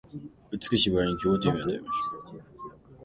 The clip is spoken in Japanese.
美しき薔薇に希望と夢を与えましょう